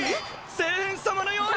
聖変様のように！